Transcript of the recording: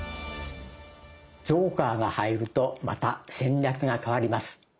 ジョーカーが入るとまた戦略が変わります。